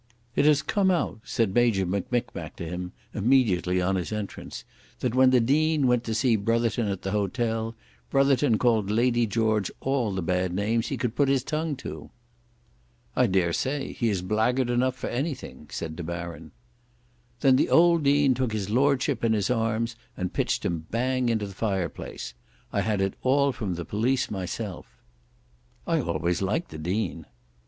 "It has come out," said Major M'Mickmack to him, immediately on his entrance, "that when the Dean went to see Brotherton at the hotel, Brotherton called Lady George all the bad names he could put his tongue to." "I dare say. He is blackguard enough for anything," said De Baron. "Then the old Dean took his lordship in his arms, and pitched him bang into the fireplace. I had it all from the police myself." "I always liked the Dean."